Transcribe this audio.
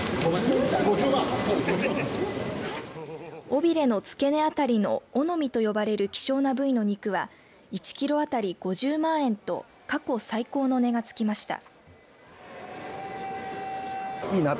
尾びれの付け根あたりの尾の身と呼ばれる希少な部位の肉は１キロ当たり５０万円と過去最高の値がつきました。